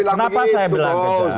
kenapa saya bilang kejam